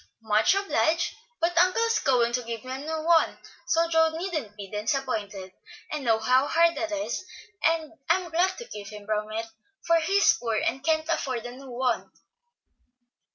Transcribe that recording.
"Much obliged, but uncle is going to give me a new one; so Joe needn't be disappointed. I know how hard that is, and am glad to keep him from it, for he's poor and can't afford a new one."